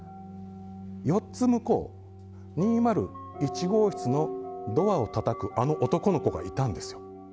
４つ向こう、２０１号室のドアをたたくあの男の子がいたんですよ。